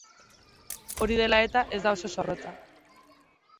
Hori dela eta, ez da oso zorrotza.